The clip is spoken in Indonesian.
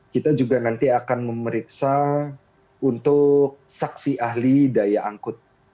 kita juga nanti akan memeriksa untuk saksi ahli daya angkut